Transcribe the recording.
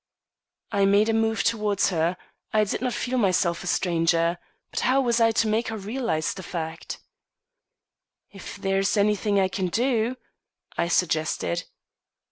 I made a move towards her; I did not feel myself a stranger. But how was I to make her realize the fact? "If there is anything I can do," I suggested.